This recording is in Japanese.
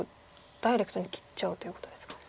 ダイレクトに切っちゃうということですか？